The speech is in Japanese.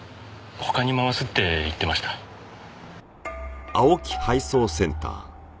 他に回すって言ってました。